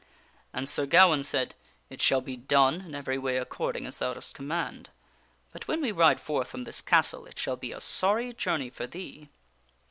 And Sir Gawaine said :" It shall be done in every way according as' thou dost command. But when we ride forth from this castle it shall be a sorry journey for thee."